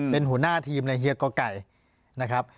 เป็นหัวหน้าทีมในเฮียกอไก่นะครับ